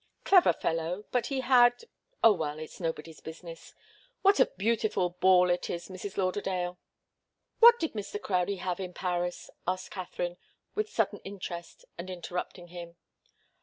Clever fellow, but he had oh, well, it's nobody's business. What a beautiful ball it is, Mrs. Lauderdale " "What did Mr. Crowdie have in Paris?" asked Katharine, with sudden interest, and interrupting him.